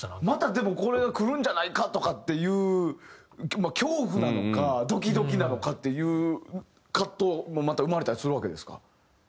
またでもこれがくるんじゃないかとかっていう恐怖なのかドキドキなのかっていう葛藤もまた生まれたりするわけですか？